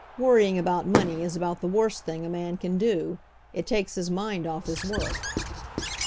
Worrying about money is about the worst thing a man can do — it takes his mind off his work."